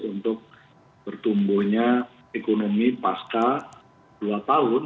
untuk bertumbuhnya ekonomi pasca dua tahun